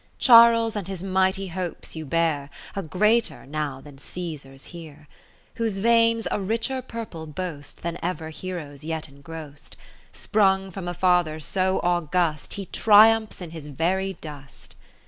Charles and his mighty hopes you bear : A greater now than Caesar 's here ; 10 ( 5'^« ) Whose veins a richer purple boast Than ever hero's yet engrost ; Sprung from a Father so august, He triumphs in his very dust.